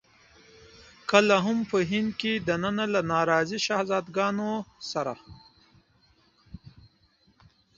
کله هم په هند کې دننه له ناراضي شهزاده ګانو سره.